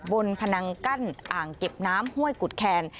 พนังกั้นอ่างเก็บน้ำห้วยกุฎแคน